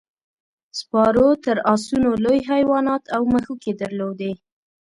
سپارو تر اسونو لوی حیوانات او مښوکې درلودې.